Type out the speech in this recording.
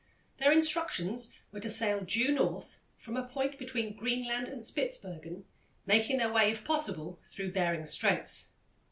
Their instructions were to sail due North, from a point between Greenland and Spitzbergen, making their way, if possible, through Behring's Straits.